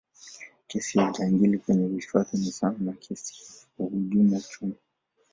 kesi ya ujangili kwenye hifadhi ni sawa na kesi ya uhujumu uchumi